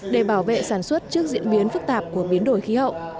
để bảo vệ sản xuất trước diễn biến phức tạp của biến đổi khí hậu